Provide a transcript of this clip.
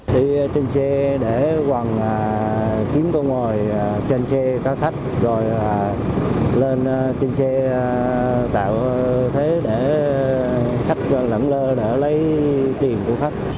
kế hoạch kiếm cơ ngồi trên xe các khách rồi lên trên xe tạo thế để khách lẫn lơ để lấy tiền của khách